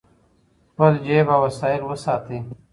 خپل جیب او وسایل وساتئ.